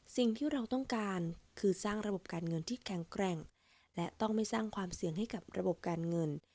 สิ่งที่เราต้องการคือสร้างระบบการเงินที่แข็งแกร่งและต้องไม่สร้างความเสี่ยงให้กับระบบการเงิน